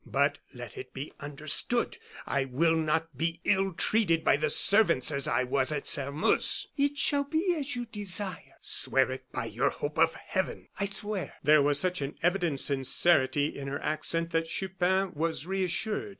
But let it be understood, I will not be ill treated by the servants as I was at Sairmeuse." "It shall be as you desire." "Swear it by your hope of heaven." "I swear." There was such an evident sincerity in her accent that Chupin was reassured.